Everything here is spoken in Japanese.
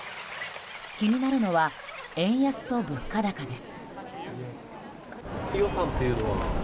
気になるのは円安と物価高です。